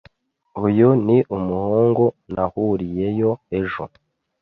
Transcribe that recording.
Uyu ni umuhungu nahuriyeyo ejo.